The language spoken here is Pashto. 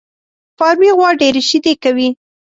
فارمي غوا ډېري شيدې کوي